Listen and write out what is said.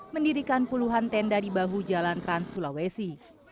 mendirikan puluhan tenda di bahu jalan trans sulawesi